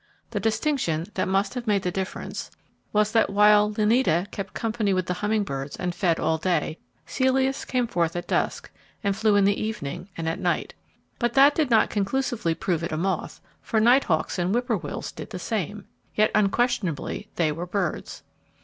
The distinction that must have made the difference was that while Lineata kept company with the hummingbirds and fed all day, Celeus came forth at dusk, and flew in the evening and at night. But that did not conclusively prove it a moth, for nighthawks and whip poor wills did the same; yet unquestionably they were birds.